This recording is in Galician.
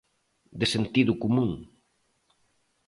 De sentido común.